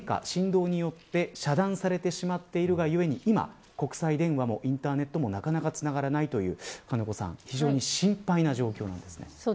振動によって遮断されてしまっているがゆえに今、国際電話もインターネットもなかなかつながらないという非常に心配な状況なんです。